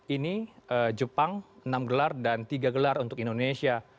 ini jepang enam gelar dan tiga gelar untuk indonesia